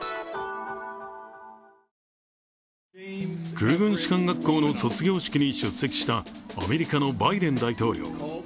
空軍士官学校の卒業式に出席したアメリカのバイデン大統領。